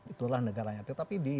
itulah negaranya tetapi di